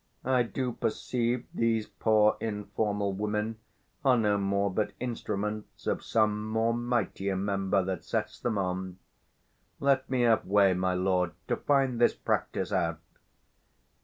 I do perceive These poor informal women are no more But instruments of some more mightier member 235 That sets them on: let me have way, my lord, To find this practice out.